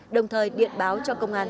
đồng thời điện báo cho công an